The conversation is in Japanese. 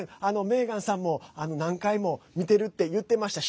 メーガンさんも何回も見てるって言ってました。